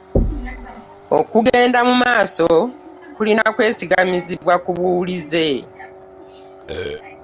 Okugenda mu maaso kulina kwesigamizibwa kubuuwulize.